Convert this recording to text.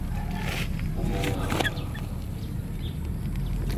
"อุโมงค์ลับ"